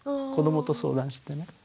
子どもと相談してね。